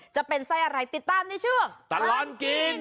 จะเป็นไส้อะไรติดตามในช่วงตลอดกิน